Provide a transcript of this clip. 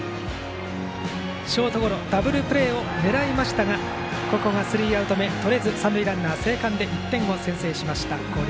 ショートゴロダブルプレーを狙いましたがここはスリーアウト目をとれず三塁ランナー、生還で１点を先制しました広陵。